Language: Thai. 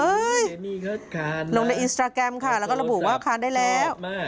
เดมี่เขาคลานนะลงในอินสตราแกรมค่ะแล้วก็ระบุว่าคลานได้แล้ว